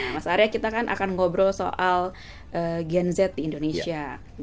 mas arya kita kan akan ngobrol soal gen z di indonesia